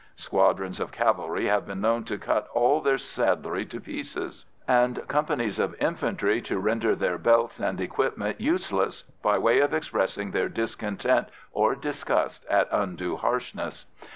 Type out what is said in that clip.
Squadrons of cavalry have been known to cut all their saddlery to pieces, and companies of infantry to render their belts and equipment useless, by way of expressing their discontent or disgust at undue harshness.